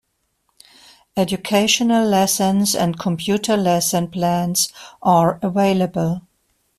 Educational lessons and computer lesson plans are available.